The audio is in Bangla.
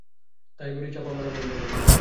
তাই বলি চাপামারা বন্ধ কর।